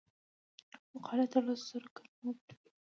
مقالې تر لس زره کلمو پورې وي.